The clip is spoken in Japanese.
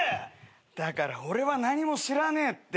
だから俺は何も知らねえって。